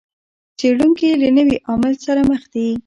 څېړونکي له نوي عامل سره مخ دي.